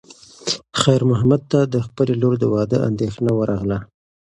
خیر محمد ته د خپلې لور د واده اندېښنه ورغله.